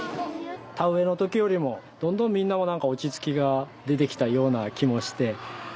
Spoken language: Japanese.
田植えの時よりもどんどんみんなもなんか落ち着きが出てきたような気もして。